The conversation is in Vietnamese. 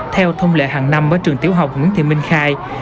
theo thông lệ hàng năm ở trường tiểu học nguyễn thị minh khai